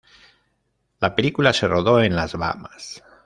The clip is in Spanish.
La película se rodó en las Bahamas.